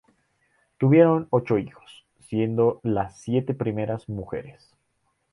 Tuvieron ocho hijos, siendo las siete primeras mujeres.